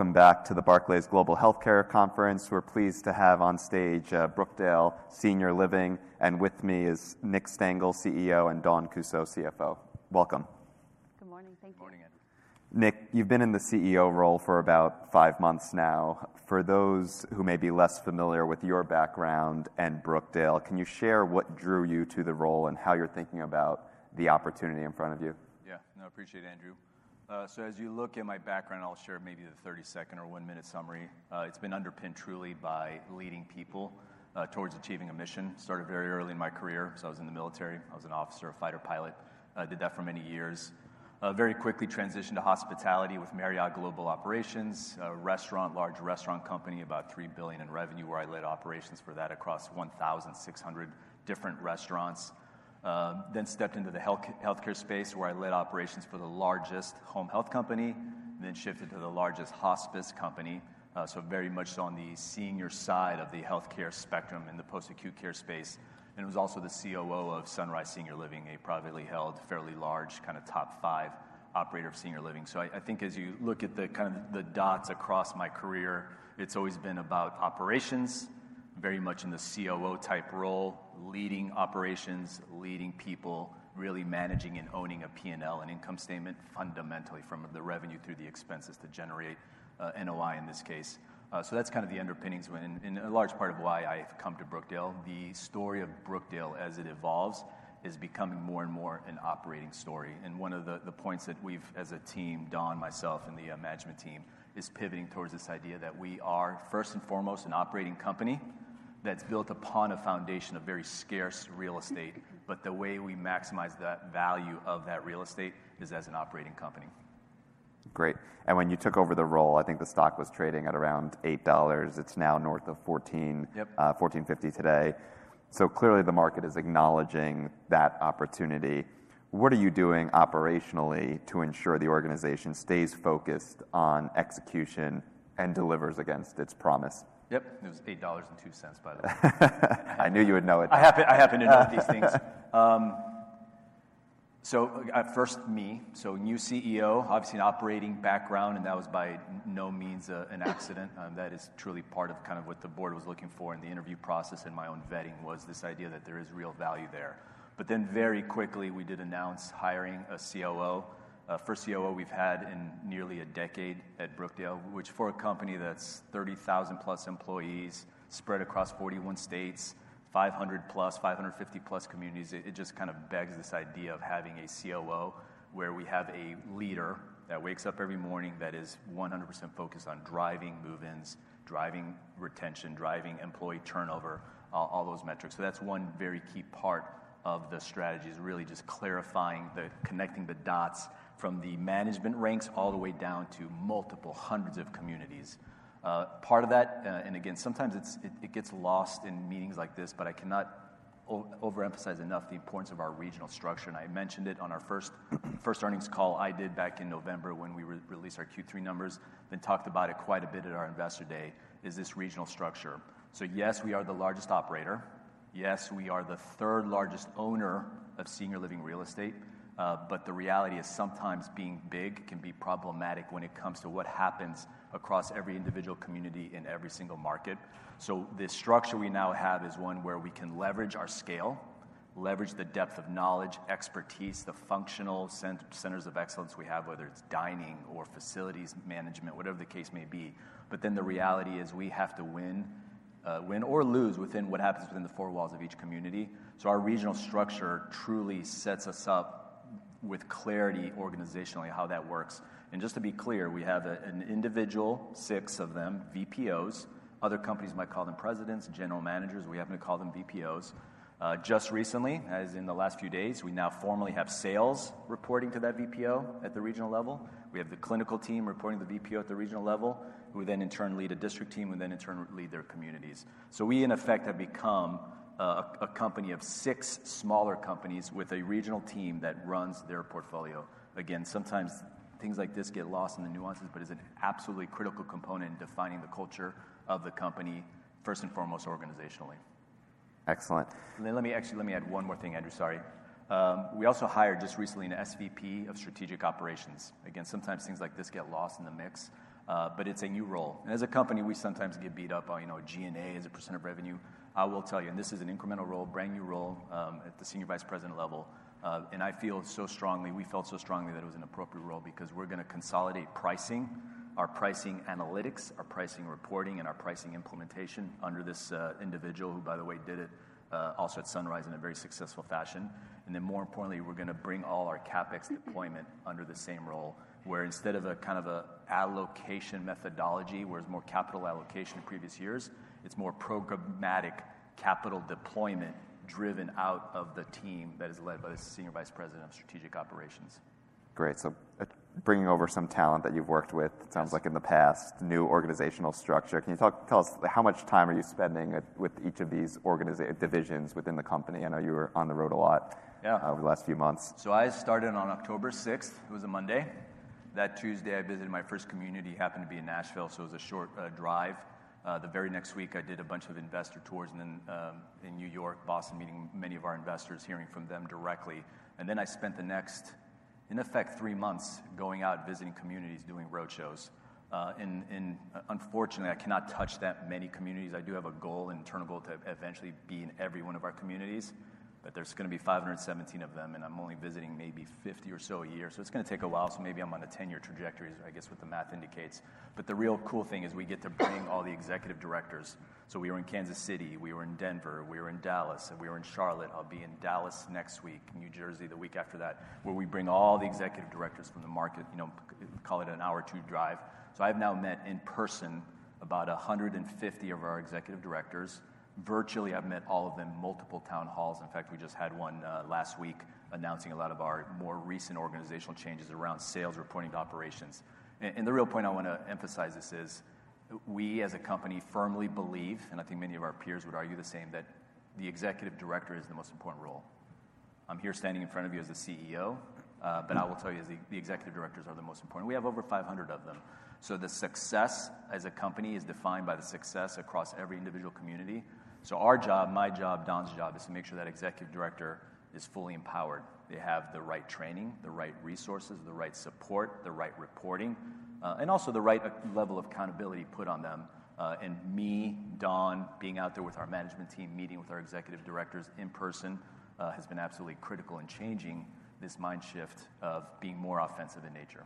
Welcome back to the Barclays Global Healthcare Conference. We're pleased to have on stage Brookdale Senior Living. With me is Nick Stengle, CEO, and Dawn Kussow, CFO. Welcome. Good morning. Thank you. Good morning, Andrew. Nick, you've been in the CEO role for about five months now. For those who may be less familiar with your background and Brookdale, can you share what drew you to the role and how you're thinking about the opportunity in front of you? Yeah. No, appreciate it, Andrew. As you look at my background, I'll share maybe the 30-second or one-minute summary. It's been underpinned truly by leading people towards achieving a mission. Started very early in my career. I was in the military. I was an officer, a fighter pilot. I did that for many years. Very quickly transitioned to hospitality with Marriott Global Operations, a large restaurant company, about $3 billion in revenue, where I led operations for that across 1,600 different restaurants. Stepped into the healthcare space, where I led operations for the largest home health company, and then shifted to the largest hospice company. Very much on the senior side of the healthcare spectrum in the post-acute care space. I was also the COO of Sunrise Senior Living, a privately held, fairly large, kinda top five operator of senior living. I think as you look at the kind of the dots across my career, it's always been about operations, very much in the COO-type role, leading operations, leading people, really managing and owning a P&L and income statement fundamentally from the revenue through the expenses to generate NOI in this case. That's kind of the underpinnings and a large part of why I've come to Brookdale. The story of Brookdale as it evolves is becoming more and more an operating story. One of the points that we've as a team, Dawn Kussow, myself, and the management team is pivoting towards this idea that we are first and foremost an operating company that's built upon a foundation of very scarce real estate, but the way we maximize the value of that real estate is as an operating company. Great. When you took over the role, I think the stock was trading at around $8. It's now north of $14- Yep. $14.50 today. Clearly the market is acknowledging that opportunity. What are you doing operationally to ensure the organization stays focused on execution and delivers against its promise? Yep. It was $8.02, by the way. I knew you would know it. I happen to know these things. First me. New CEO, obviously an operating background, and that was by no means an accident. That is truly part of kind of what the board was looking for in the interview process and my own vetting, was this idea that there is real value there. Very quickly, we did announce hiring a COO, first COO we've had in nearly a decade at Brookdale, which for a company that's 30,000+ employees spread across 41 states, 550+ communities, it just kind of begs this idea of having a COO, where we have a leader that wakes up every morning that is 100% focused on driving move-ins, driving retention, driving employee turnover, all those metrics. That's one very key part of the strategy is really just clarifying connecting the dots from the management ranks all the way down to multiple hundreds of communities. Part of that, and again, sometimes it gets lost in meetings like this, but I cannot overemphasize enough the importance of our regional structure. I mentioned it on our first earnings call I did back in November when we released our Q3 numbers, then talked about it quite a bit at our Investor Day, is this regional structure. Yes, we are the largest operator. Yes, we are the third largest owner of senior living real estate. But the reality is sometimes being big can be problematic when it comes to what happens across every individual community in every single market. The structure we now have is one where we can leverage our scale, leverage the depth of knowledge, expertise, the functional centers of excellence we have, whether it's dining or facilities management, whatever the case may be. The reality is we have to win or lose within what happens within the four walls of each community. Our regional structure truly sets us up with clarity organizationally, how that works. Just to be clear, we have an individual, six of them, VPOs. Other companies might call them presidents, general managers. We happen to call them VPOs. Just recently, as in the last few days, we now formally have sales reporting to that VPO at the regional level. We have the clinical team reporting to the VPO at the regional level, who then in turn lead a district team, who then in turn lead their communities. We, in effect, have become a company of six smaller companies with a regional team that runs their portfolio. Again, sometimes things like this get lost in the nuances, but it's an absolutely critical component in defining the culture of the company, first and foremost organizationally. Excellent. Actually, let me add one more thing, Andrew. Sorry. We also hired just recently an SVP of Strategic Operations. Again, sometimes things like this get lost in the mix, but it's a new role. As a company, we sometimes get beat up on, you know, G&A as a percent of revenue. I will tell you, and this is an incremental role, brand new role, at the senior vice president level. I feel so strongly, we felt so strongly that it was an appropriate role because we're gonna consolidate pricing, our pricing analytics, our pricing reporting, and our pricing implementation under this individual, who by the way did it also at Sunrise in a very successful fashion. More importantly, we're gonna bring all our CapEx deployment under the same role, where instead of a kind of allocation methodology, where it's more capital allocation in previous years, it's more programmatic capital deployment driven out of the team that is led by the Senior Vice President of Strategic Operations. Great. Bringing over some talent that you've worked with. Yes. It sounds like in the past, new organizational structure. Can you tell us how much time are you spending at, with each of these divisions within the company? I know you were on the road a lot. Yeah. Over the last few months. I started on October 6th. It was a Monday. That Tuesday, I visited my first community, happened to be in Nashville, so it was a short drive. The very next week, I did a bunch of investor tours in New York, Boston, meeting many of our investors, hearing from them directly. I spent the next, in effect, three months going out visiting communities, doing road shows. Unfortunately, I cannot touch that many communities. I do have a goal in Turnbull to eventually be in every one of our communities, but there's gonna be 517 of them, and I'm only visiting maybe 50 or so a year. It's gonna take a while. Maybe I'm on a 10-year trajectory is I guess what the math indicates. The real cool thing is we get to bring all the executive directors. We were in Kansas City, we were in Denver, we were in Dallas, and we were in Charlotte. I'll be in Dallas next week, New Jersey the week after that, where we bring all the executive directors from the market, you know, call it an hour or two drive. I've now met in person about 150 of our executive directors. Virtually, I've met all of them, multiple town halls. In fact, we just had one last week announcing a lot of our more recent organizational changes around sales reporting to operations. And the real point I wanna emphasize this is we as a company firmly believe, and I think many of our peers would argue the same, that the executive director is the most important role. I'm here standing in front of you as the CEO, but I will tell you that the executive directors are the most important. We have over 500 of them. The success as a company is defined by success across every individual community. Our job, my job, Dawn's job is to make sure that executive director is fully empowered. They have the right training, the right resources, the right support, the right reporting, and also the right level of accountability put on them. Me, Dawn, being out there with our management team, meeting with our executive directors in person, has been absolutely critical in changing this mind shift of being more offensive in nature.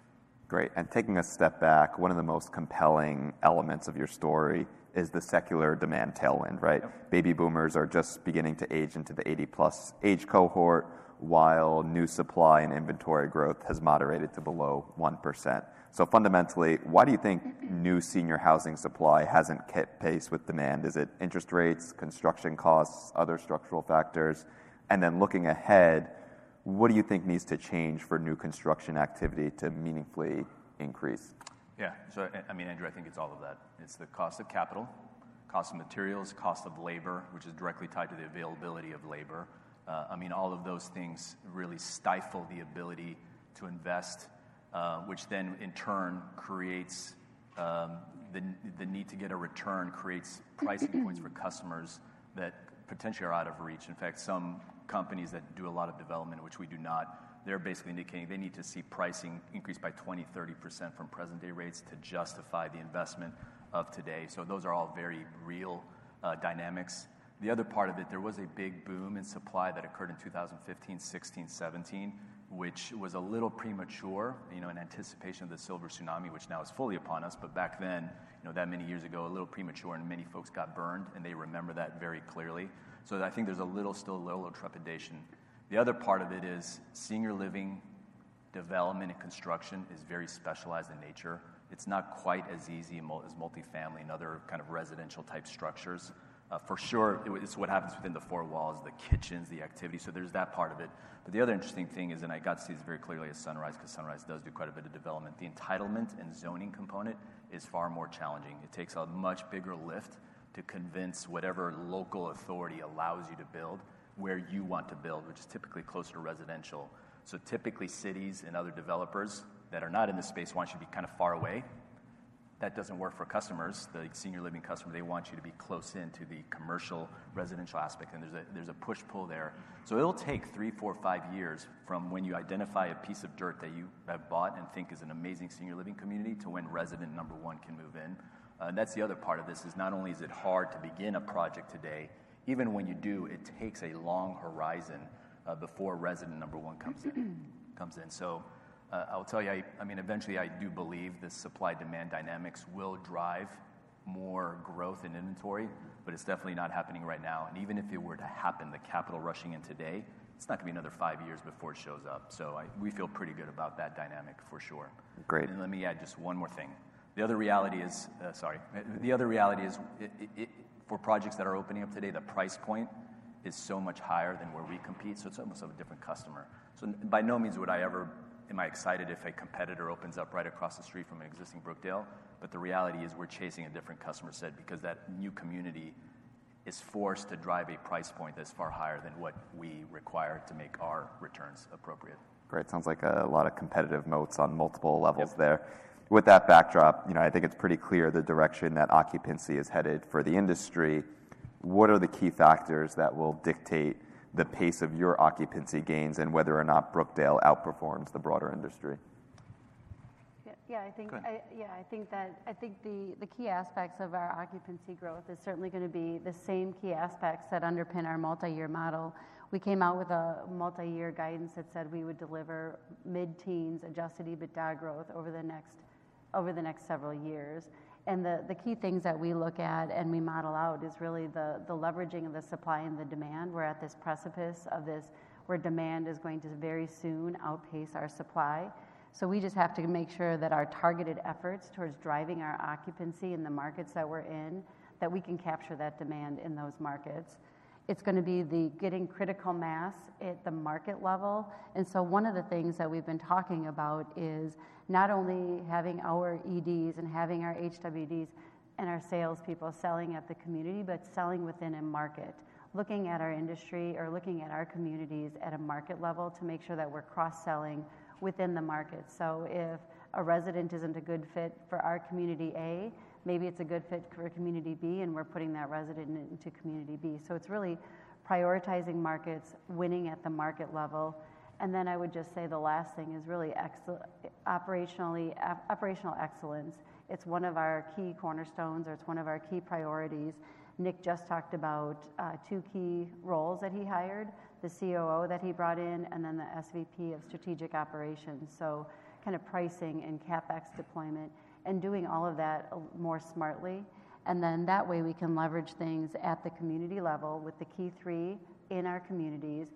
Great. Taking a step back, one of the most compelling elements of your story is the secular demand tailwind, right? Yep. Baby boomers are just beginning to age into the 80+ age cohort, while new supply and inventory growth has moderated to below 1%. Fundamentally, why do you think new senior housing supply hasn't kept pace with demand? Is it interest rates, construction costs, other structural factors? Looking ahead, what do you think needs to change for new construction activity to meaningfully increase? Yeah. I mean, Andrew, I think it's all of that. It's the cost of capital, cost of materials, cost of labor, which is directly tied to the availability of labor. I mean, all of those things really stifle the ability to invest, which then in turn creates the need to get a return creates price points for customers that potentially are out of reach. In fact, some companies that do a lot of development, which we do not, they're basically indicating they need to see pricing increase by 20%, 30% from present day rates to justify the investment of today. Those are all very real dynamics. The other part of it, there was a big boom in supply that occurred in 2015, 2016, 2017, which was a little premature, you know, in anticipation of the silver tsunami, which now is fully upon us. Back then, you know, that many years ago, a little premature, and many folks got burned, and they remember that very clearly. I think there's a little trepidation. The other part of it is senior living development and construction is very specialized in nature. It's not quite as easy multifamily and other kind of residential type structures. For sure it's what happens within the four walls, the kitchens, the activity. There's that part of it. The other interesting thing is, and I got to see this very clearly at Sunrise, 'cause Sunrise does do quite a bit of development. The entitlement and zoning component is far more challenging. It takes a much bigger lift to convince whatever local authority allows you to build where you want to build, which is typically closer to residential. Typically, cities and other developers that are not in this space want you to be kind of far away. That doesn't work for customers, the senior living customer. They want you to be close in to the commercial residential aspect, and there's a push-pull there. It'll take three, four, five years from when you identify a piece of dirt that you have bought and think is an amazing senior living community to when resident number one can move in. That's the other part of this, is not only is it hard to begin a project today, even when you do, it takes a long horizon before resident number one comes in. I'll tell you, I mean, eventually I do believe the supply-demand dynamics will drive more growth in inventory, but it's definitely not happening right now. Even if it were to happen, the capital rushing in today, it's not gonna be another five years before it shows up. We feel pretty good about that dynamic for sure. Great. Let me add just one more thing. The other reality is it for projects that are opening up today, the price point is so much higher than where we compete, so it's almost of a different customer. By no means would I ever am I excited if a competitor opens up right across the street from an existing Brookdale, but the reality is we're chasing a different customer set because that new community is forced to drive a price point that's far higher than what we require to make our returns appropriate. Great. Sounds like a lot of competitive moats on multiple levels there. Yep. With that backdrop, you know, I think it's pretty clear the direction that occupancy is headed for the industry. What are the key factors that will dictate the pace of your occupancy gains and whether or not Brookdale outperforms the broader industry? Yeah. I think. Go ahead. I think the key aspects of our occupancy growth is certainly gonna be the same key aspects that underpin our multi-year model. We came out with a multi-year guidance that said we would deliver mid-teens adjusted EBITDA growth over the next several years. The key things that we look at and we model out is really the leveraging of the supply and the demand. We're at this precipice where demand is going to very soon outpace our supply. We just have to make sure that our targeted efforts towards driving our occupancy in the markets that we're in, that we can capture that demand in those markets. It's gonna be the getting critical mass at the market level. One of the things that we've been talking about is not only having our EDs and having our HWDs and our salespeople selling at the community, but selling within a market. Looking at our industry or looking at our communities at a market level to make sure that we're cross-selling within the market. If a resident isn't a good fit for our community A, maybe it's a good fit for community B, and we're putting that resident into community B. It's really prioritizing markets, winning at the market level. I would just say the last thing is really operational excellence. It's one of our key cornerstones, or it's one of our key priorities. Nick just talked about two key roles that he hired, the COO that he brought in and then the SVP of Strategic Operations. Kind of pricing and CapEx deployment and doing all of that more smartly. That way, we can leverage things at the community level with the key three in our communities.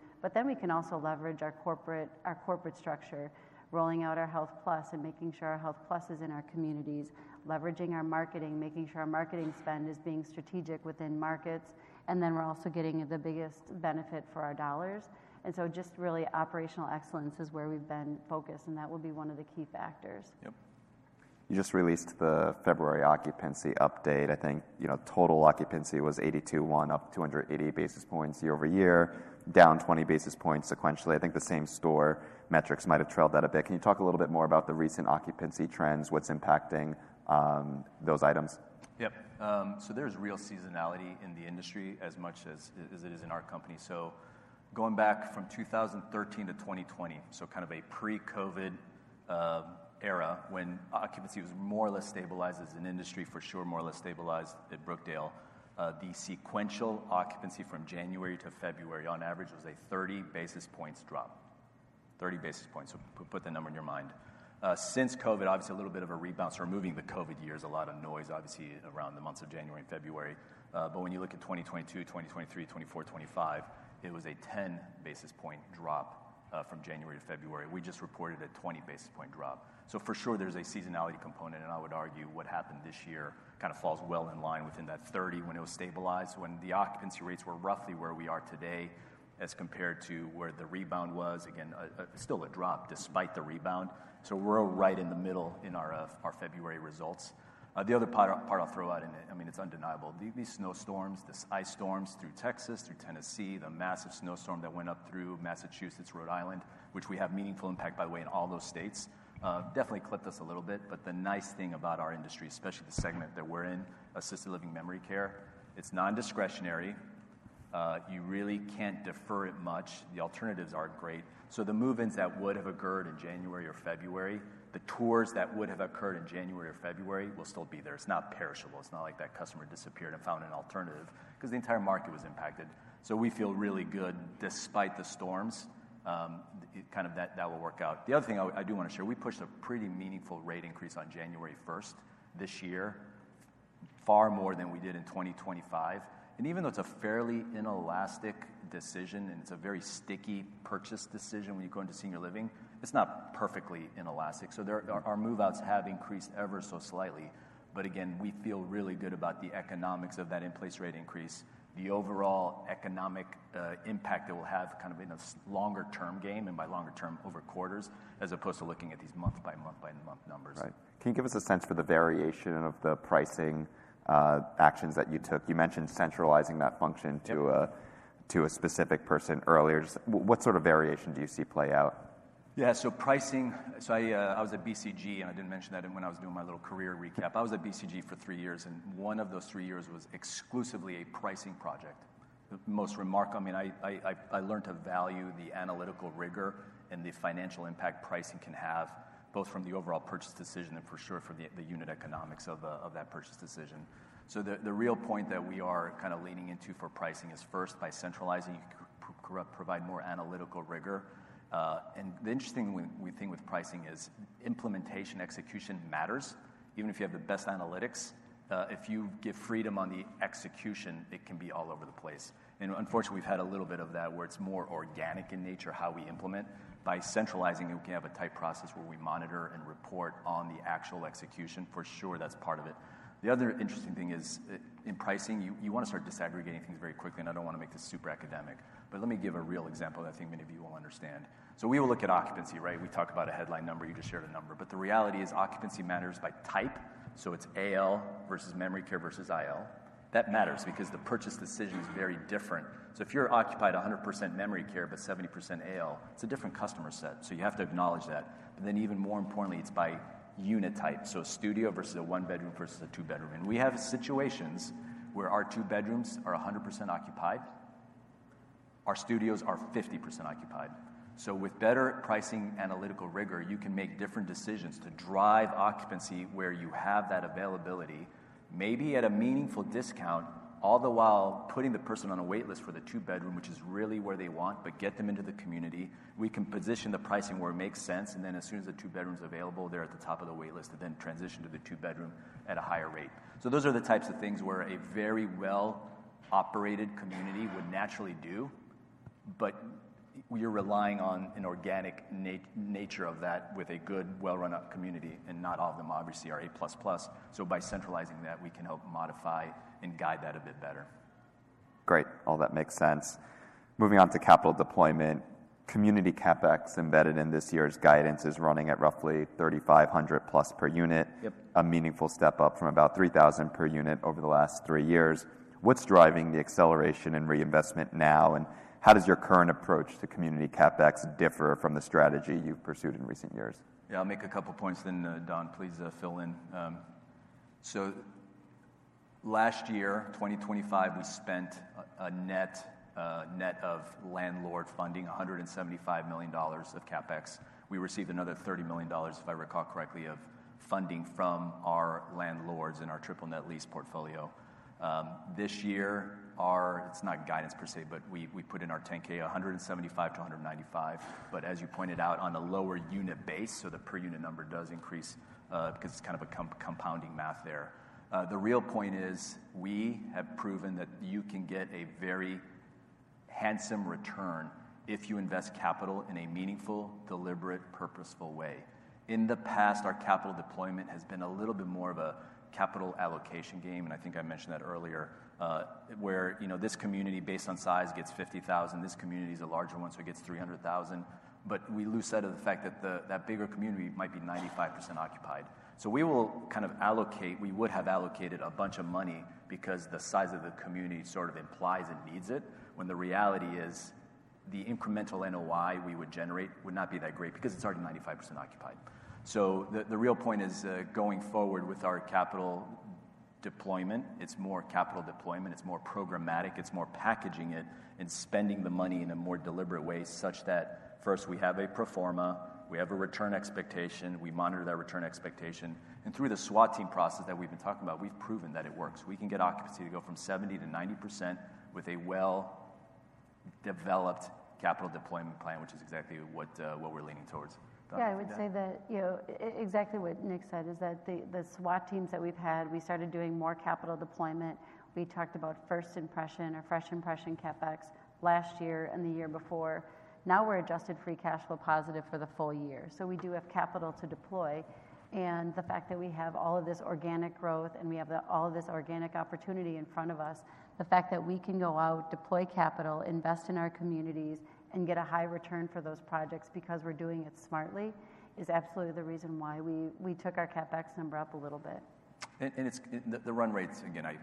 We can also leverage our corporate structure, rolling out our HealthPlus and making sure our HealthPlus is in our communities, leveraging our marketing, making sure our marketing spend is being strategic within markets, and then we're also getting the biggest benefit for our dollars. Just really operational excellence is where we've been focused, and that will be one of the key factors. Yep. You just released the February occupancy update. I think, you know, total occupancy was 82.1%, up 280 basis points year-over-year, down 20 basis points sequentially. I think the same store metrics might have trailed that a bit. Can you talk a little bit more about the recent occupancy trends? What's impacting those items? Yep. There's real seasonality in the industry as much as it is in our company. Going back from 2013 to 2020, kind of a pre-COVID era, when occupancy was more or less stabilized as an industry, for sure, more or less stabilized at Brookdale, the sequential occupancy from January to February on average was a 30 basis points drop. 30 basis points. Put that number in your mind. Since COVID, obviously, a little bit of a rebound. Removing the COVID years, a lot of noise, obviously, around the months of January and February. When you look at 2022, 2023, 2024, 2025, it was a 10 basis point drop from January to February. We just reported a 20 basis point drop. For sure there's a seasonality component, and I would argue what happened this year kind of falls well in line within that 30 when it was stabilized, when the occupancy rates were roughly where we are today as compared to where the rebound was. Again, still a drop despite the rebound. We're right in the middle in our February results. The other part I'll throw out, and, I mean, it's undeniable. These snowstorms, the ice storms through Texas, through Tennessee, the massive snowstorm that went up through Massachusetts, Rhode Island, which we have meaningful impact, by the way, in all those states, definitely clipped us a little bit. The nice thing about our industry, especially the segment that we're in, assisted living memory care, it's non-discretionary. You really can't defer it much. The alternatives aren't great. The move-ins that would have occurred in January or February, the tours that would have occurred in January or February will still be there. It's not perishable. It's not like that customer disappeared and found an alternative, 'cause the entire market was impacted. We feel really good despite the storms. Kind of that will work out. The other thing I do wanna share, we pushed a pretty meaningful rate increase on January first this year, far more than we did in 2025. Even though it's a fairly inelastic decision and it's a very sticky purchase decision when you go into senior living, it's not perfectly inelastic. There, our move-outs have increased ever so slightly. Again, we feel really good about the economics of that in-place rate increase. The overall economic impact it will have kind of in a longer term gain, and by longer term, over quarters, as opposed to looking at these month by month numbers. Right. Can you give us a sense for the variation of the pricing actions that you took? You mentioned centralizing that function to a specific person earlier. Just what sort of variation do you see play out? Yeah. Pricing. I was at BCG, and I didn't mention that in when I was doing my little career recap. I was at BCG for three years, and one of those three years was exclusively a pricing project. I mean, I learned to value the analytical rigor and the financial impact pricing can have, both from the overall purchase decision and for sure from the unit economics of that purchase decision. The real point that we are kind of leaning into for pricing is first, by centralizing, you can provide more analytical rigor. And the interesting when we think with pricing is implementation execution matters. Even if you have the best analytics, if you give freedom on the execution, it can be all over the place. Unfortunately, we've had a little bit of that, where it's more organic in nature, how we implement. By centralizing, we can have a tight process where we monitor and report on the actual execution. For sure, that's part of it. The other interesting thing is, in pricing, you wanna start disaggregating things very quickly, and I don't wanna make this super academic. Let me give a real example that I think many of you will understand. We will look at occupancy, right? We talk about a headline number, you just shared a number. The reality is occupancy matters by type. It's AL versus memory care versus IL. That matters because the purchase decision is very different. If you're occupied 100% memory care but 70% AL, it's a different customer set. You have to acknowledge that. Even more importantly, it's by unit type, so a studio versus a one-bedroom versus a two-bedroom. We have situations where our two bedrooms are 100% occupied. Our studios are 50% occupied. With better pricing analytical rigor, you can make different decisions to drive occupancy where you have that availability, maybe at a meaningful discount, all the while putting the person on a wait list for the two bedroom, which is really where they want, but get them into the community. We can position the pricing where it makes sense, and then as soon as the two bedroom's available, they're at the top of the wait list to then transition to the two bedroom at a higher rate. Those are the types of things where a very well-operated community would naturally do, but we are relying on an organic nature of that with a good well-run community, and not all of them obviously are A++. By centralizing that, we can help modify and guide that a bit better. Great. All that makes sense. Moving on to capital deployment. Community CapEx embedded in this year's guidance is running at roughly $3,500+ per unit. Yep. A meaningful step up from about $3,000 per unit over the last three years. What's driving the acceleration and reinvestment now, and how does your current approach to community CapEx differ from the strategy you've pursued in recent years? Yeah, I'll make a couple points then, Dawn, please, fill in. Last year, 2025, we spent a net of landlord funding, $175 million of CapEx. We received another $30 million, if I recall correctly, of funding from our landlords in our triple net lease portfolio. This year. It's not guidance per se, but we put in our 10-K $175 million-$195 million. As you pointed out on a lower unit base, the per unit number does increase, because it's kind of a compounding math there. The real point is we have proven that you can get a very handsome return if you invest capital in a meaningful, deliberate, purposeful way. In the past, our capital deployment has been a little bit more of a capital allocation game, and I think I mentioned that earlier, where, you know, this community, based on size, gets $50,000. This community is a larger one, so it gets $300,000. We lose sight of the fact that that bigger community might be 95% occupied. We would have allocated a bunch of money because the size of the community sort of implies it needs it, when the reality is the incremental NOI we would generate would not be that great because it's already 95% occupied. The real point is going forward with our capital deployment, it's more capital deployment, it's more programmatic, it's more packaging it and spending the money in a more deliberate way such that first we have a pro forma, we have a return expectation, we monitor that return expectation. Through the SWAT team process that we've been talking about, we've proven that it works. We can get occupancy to go from 70%-90% with a well-developed capital deployment plan, which is exactly what we're leaning towards. Dawn. Yeah. I would say that, you know, exactly what Nick said is that the SWAT teams that we've had, we started doing more capital deployment. We talked about first impression CapEx last year and the year before. Now we're adjusted free cash flow positive for the full year. We do have capital to deploy. The fact that we have all of this organic growth, and we have all of this organic opportunity in front of us, the fact that we can go out, deploy capital, invest in our communities, and get a high return for those projects because we're doing it smartly is absolutely the reason why we took our CapEx number up a little bit. It's the run rates, again. I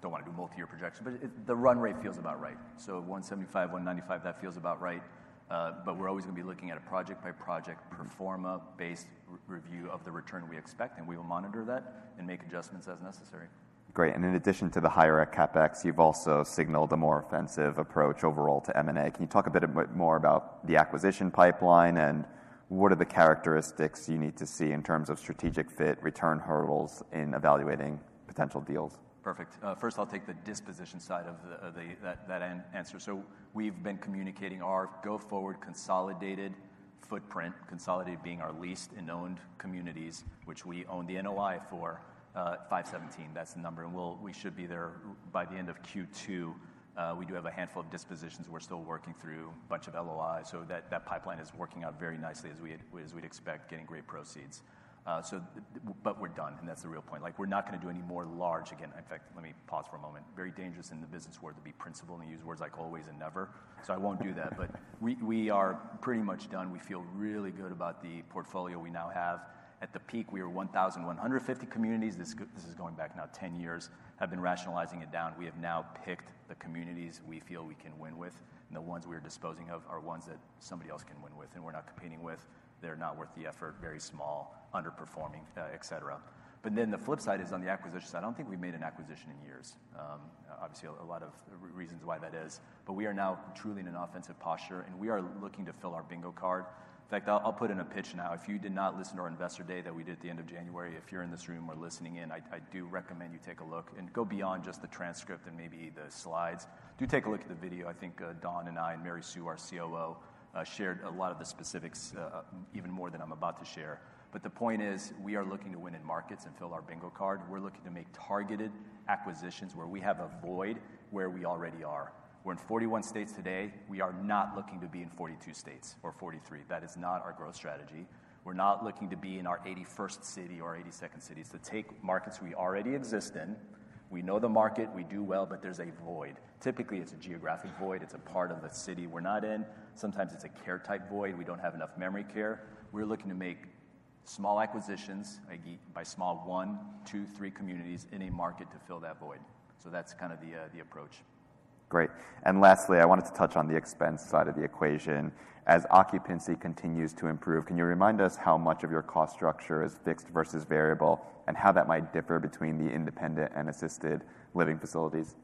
don't wanna do multi-year projections, but the run rate feels about right. $175 million-$195 million, that feels about right, but we're always gonna be looking at a project-by-project pro forma based re-review of the return we expect, and we will monitor that and make adjustments as necessary. Great. In addition to the higher CapEx, you've also signaled a more offensive approach overall to M&A. Can you talk a bit more about the acquisition pipeline and what are the characteristics you need to see in terms of strategic fit, return hurdles in evaluating potential deals? Perfect. First I'll take the disposition side of the answer. We've been communicating our go-forward consolidated footprint, consolidated being our leased and owned communities, which we own the NOI for, 517. That's the number, and we should be there by the end of Q2. We do have a handful of dispositions we're still working through, bunch of LOIs. That pipeline is working out very nicely as we'd expect, getting great proceeds. We're done, and that's the real point. Like, we're not gonna do any more large. Again, in fact, let me pause for a moment. Very dangerous in the business world to be principled and use words like always and never. I won't do that. We are pretty much done. We feel really good about the portfolio we now have. At the peak, we were 1,150 communities. This is going back now 10 years. Have been rationalizing it down. We have now picked the communities we feel we can win with, and the ones we are disposing of are ones that somebody else can win with and we're not competing with. They're not worth the effort, very small, underperforming, et cetera. The flip side is on the acquisitions side. I don't think we've made an acquisition in years. Obviously a lot of reasons why that is. We are now truly in an offensive posture, and we are looking to fill our bingo card. In fact, I'll put in a pitch now. If you did not listen to our investor day that we did at the end of January, if you're in this room or listening in, I do recommend you take a look and go beyond just the transcript and maybe the slides. Do take a look at the video. I think, Dawn and I and Mary Sue, our COO, shared a lot of the specifics, even more than I'm about to share. The point is, we are looking to win in markets and fill our bingo card. We're looking to make targeted acquisitions where we have a void where we already are. We're in 41 states today. We are not looking to be in 42 states or 43. That is not our growth strategy. We're not looking to be in our 81st city or 82nd city. It's to take markets we already exist in. We know the market. We do well, but there's a void. Typically, it's a geographic void. It's a part of the city we're not in. Sometimes it's a care type void. We don't have enough memory care. We're looking to make small acquisitions, by small one, two, three communities in a market to fill that void. That's kind of the approach. Great. Lastly, I wanted to touch on the expense side of the equation. As occupancy continues to improve, can you remind us how much of your cost structure is fixed versus variable, and how that might differ between the independent and assisted living facilities?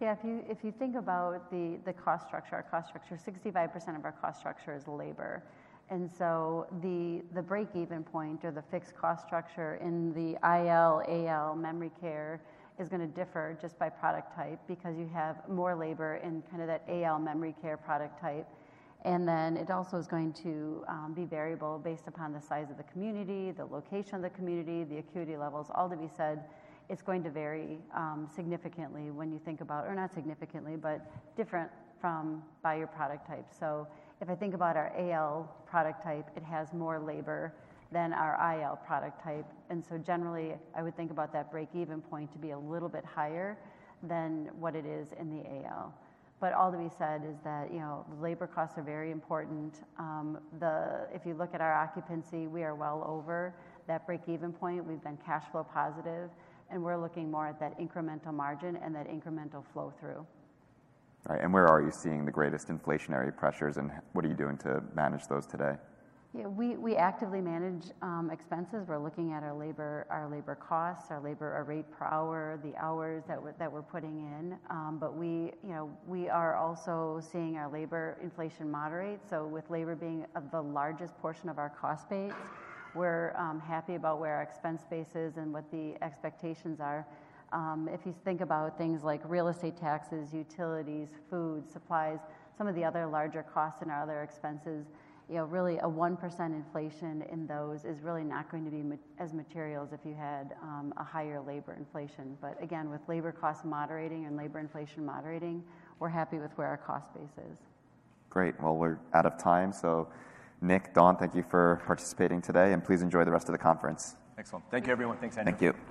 Yeah. If you think about the cost structure, our cost structure, 65% of our cost structure is labor. The break-even point or the fixed cost structure in the IL, AL, memory care is gonna differ just by product type because you have more labor in kinda that AL, memory care product type. It also is going to be variable based upon the size of the community, the location of the community, the acuity levels. All that being said, it's going to vary significantly when you think about. Or not significantly, but different from by your product type. If I think about our AL product type, it has more labor than our IL product type. Generally, I would think about that break-even point to be a little bit higher than what it is in the AL. All that being said is that, you know, labor costs are very important. If you look at our occupancy, we are well over that break-even point. We've been cash flow positive, and we're looking more at that incremental margin and that incremental flow through. Right. Where are you seeing the greatest inflationary pressures, and what are you doing to manage those today? Yeah. We actively manage expenses. We're looking at our labor costs, our rate per hour, the hours that we're putting in. We, you know, we are also seeing our labor inflation moderate. With labor being the largest portion of our cost base, we're happy about where our expense base is and what the expectations are. If you think about things like real estate taxes, utilities, food, supplies, some of the other larger costs in our other expenses, you know, really a 1% inflation in those is really not going to be material as if you had a higher labor inflation. Again, with labor costs moderating and labor inflation moderating, we're happy with where our cost base is. Great. Well, we're out of time. Nick, Dawn, thank you for participating today, and please enjoy the rest of the conference. Excellent. Thank you, everyone. Thanks, Andrew. Thank you.